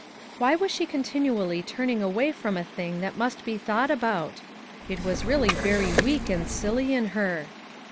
Why was she continually turning away from a thing that must be thought about? It was really very weak and silly in her!